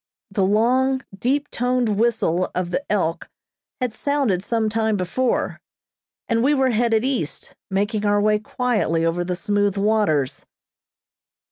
The long, deep toned whistle of the "Elk," had sounded some time before, and we were headed east, making our way quietly over the smooth waters.